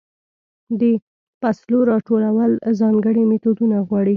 د فصلو راټولول ځانګړې میتودونه غواړي.